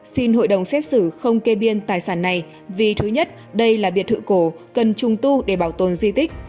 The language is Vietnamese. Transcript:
xin hội đồng xét xử không kê biên tài sản này vì thứ nhất đây là biệt thự cổ cần trùng tu để bảo tồn di tích